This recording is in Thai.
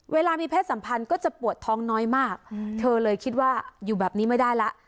เวลามีเพศสัมพันธ์ก็จะปวดท้องน้อยมากเธอเลยคิดว่าอยู่แบบนี้ไม่ได้แล้ว